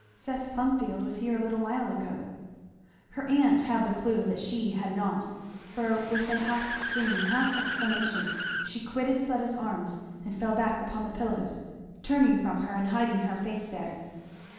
"Seth Plumfield was here a little while ago." Her aunt had the clew that she had not, for with a half scream, half exclamation, she quitted Fleda's arms and fell back upon the pillows, turning from her and hiding her face there.